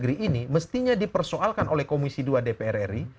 negeri ini mestinya dipersoalkan oleh komisi dua dpr ri